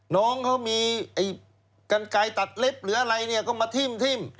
น้องเขามีกันไกลตัดเล็บหรืออะไรเนี่ยก็มาทิ้ม